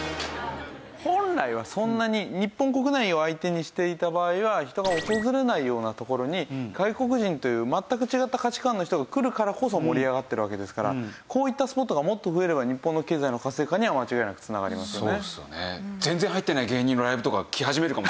本来はそんなに日本国内を相手にしていた場合は人が訪れないような所に外国人という全く違った価値観の人が来るからこそ盛り上がってるわけですからこういったスポットがもっと増えれば日本の経済の活性化には間違いなく繋がりますよね。